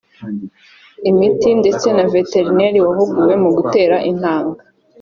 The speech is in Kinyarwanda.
imiti ndetse na Veterineri wahuguwe mu gutera intanga